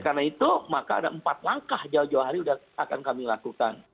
karena itu maka ada empat langkah jauh jauh hari akan kami lakukan